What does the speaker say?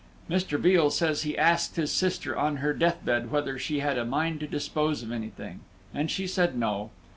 Mr. Veal says he asked his sister on her death bed whether she had a mind to dispose of anything. And she said no.